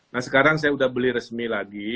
nah sekarang saya udah beli resmi lagi